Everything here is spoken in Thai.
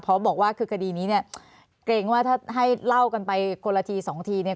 เพราะบอกว่าคือคดีนี้เนี่ยเกรงว่าถ้าให้เล่ากันไปคนละทีสองทีเนี่ย